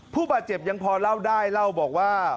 ผู้บาดเจ็บยังพอเล่าได้เล่าบอกว่า